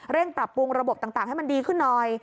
ปรับปรุงระบบต่างให้มันดีขึ้นหน่อย